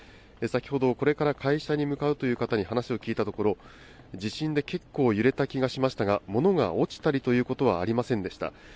先ほどこれから会社に向かうという方に話を聞いたところ地震で結構揺れた気がしましたが物が落ちたりということはありませんでした。